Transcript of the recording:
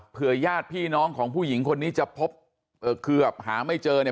ญาติพี่น้องของผู้หญิงคนนี้จะพบคือแบบหาไม่เจอเนี่ย